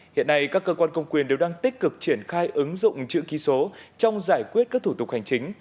hiện nay các cơ quan công quyền đều đang tích cực triển khai ứng dụng chữ ký số trong giải quyết các thủ tục hành chính